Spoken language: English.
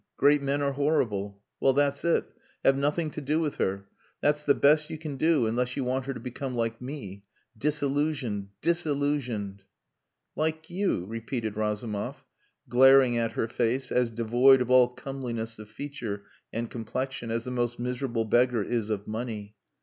Great men are horrible. Well, that's it. Have nothing to do with her. That's the best you can do, unless you want her to become like me disillusioned! Disillusioned!" "Like you," repeated Razumov, glaring at her face, as devoid of all comeliness of feature and complexion as the most miserable beggar is of money.